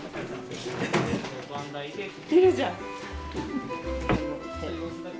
いるじゃん！